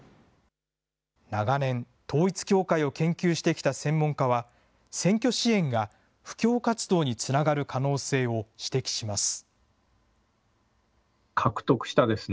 長年、統一教会を研究してきた専門家は、選挙支援が布教活動につながる可能性を指摘します。